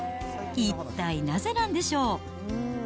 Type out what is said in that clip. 一体なぜなんでしょう。